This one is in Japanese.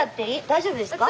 大丈夫ですか？